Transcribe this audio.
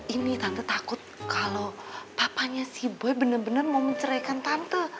ini tante takut kalau papanya si boy benar benar mau menceraikan tante